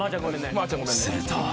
［すると］